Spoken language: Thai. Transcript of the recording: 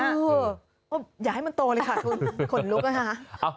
อย่าให้มันโตเลยค่ะคุณขนลุกนะคะ